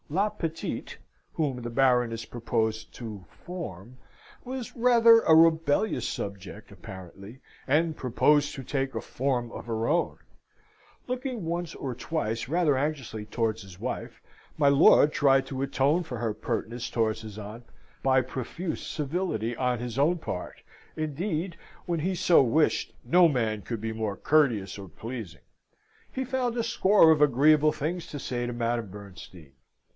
"La petite," whom the Baroness proposed to "form," was rather a rebellious subject, apparently, and proposed to take a form of her own. Looking once or twice rather anxiously towards his wife, my lord tried to atone for her pertness towards his aunt by profuse civility on his own part; indeed, when he so wished, no man could be more courteous or pleasing. He found a score of agreeable things to say to Madame Bernstein.